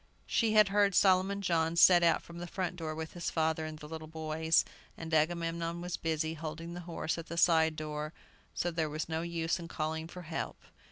She had heard Solomon John set out from the front door with his father and the little boys, and Agamemnon was busy holding the horse at the side door, so there was no use in calling for help.